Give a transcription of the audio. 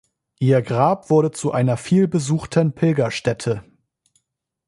Ihr Grab wurde zu einer vielbesuchten Pilgerstätte.